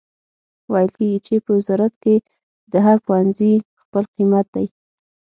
ویل کیږي چې په وزارت کې د هر پوهنځي خپل قیمت دی